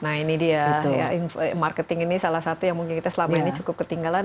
nah ini dia marketing ini salah satu yang mungkin kita selama ini cukup ketinggalan